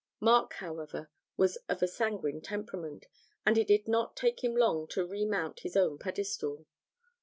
Mark, however, was of a sanguine temperament, and it did not take him long to remount his own pedestal.